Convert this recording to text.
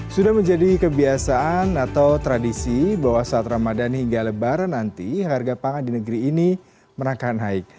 sudah menjadi kebiasaan atau tradisi bahwa saat ramadan hingga lebaran nanti harga pangan di negeri ini menahan haik